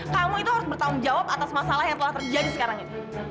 kamu itu harus bertanggung jawab atas masalah yang telah terjadi sekarang ini